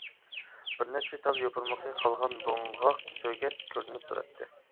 بىر نەچچە تال يوپۇرمىقى قالغان دوڭغاق سۆگەت كۆرۈنۈپ تۇراتتى.